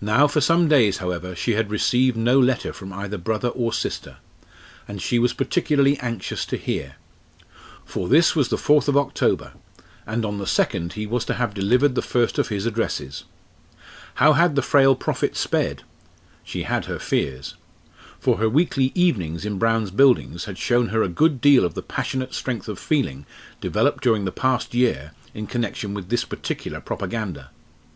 Now for some days, however, she had received no letter from either brother or sister, and she was particularly anxious to hear. For this was the fourth of October, and on the second he was to have delivered the first of his addresses. How had the frail prophet sped? She had her fears. For her weekly "evenings" in Brown's Buildings had shown her a good deal of the passionate strength of feeling developed during the past year in connection with this particular propaganda.